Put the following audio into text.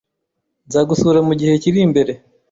Nzagusura mugihe kiri imbere